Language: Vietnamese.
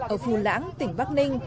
ở phù lãng tỉnh bắc ninh